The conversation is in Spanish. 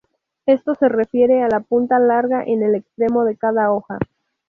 Esto se refiere a la punta larga en el extremo de cada hoja.